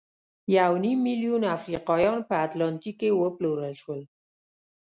یو نیم میلیون افریقایان په اتلانتیک کې وپلورل شول.